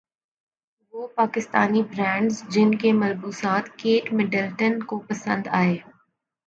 وہ پاکستانی برانڈز جن کے ملبوسات کیٹ مڈلٹن کو پسند ائے